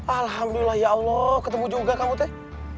alhamdulillah ya allah ketemu juga kamu teh